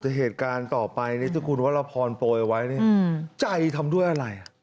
แต่เหตุการณ์ต่อไปนี้ที่คุณวรพรโปรยไว้ใจทำด้วยอะไร